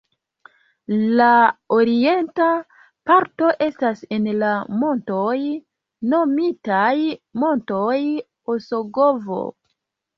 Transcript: La orienta parto estas en la montoj nomitaj Montoj Osogovo.